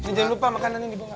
jangan lupa makanannya dibawa